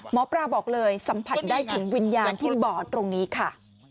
หมอปลาบอกเลยสัมผัสได้ถึงวิญญาณที่บอดตรงนี้ค่ะ